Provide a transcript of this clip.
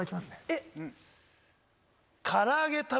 えっ？